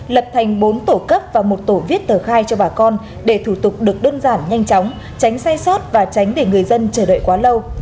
lập thành bốn tổ cấp và một tổ viết tờ khai cho bà con để thủ tục được đơn giản nhanh chóng tránh sai sót và tránh để người dân chờ đợi quá lâu